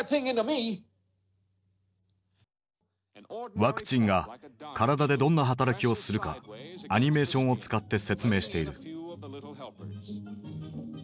ワクチンが体でどんな働きをするかアニメーションを使って説明している。